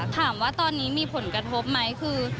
ถามว่าตอนนี้มีผลกระทบไหมคือ